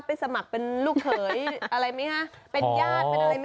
สมัครเป็นลูกเขยอะไรไหมฮะเป็นญาติเป็นอะไรไหม